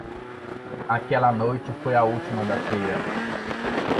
Aquela noite foi a última da feira.